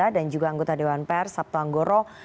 dan juga anggota dewan pers sabto anggoro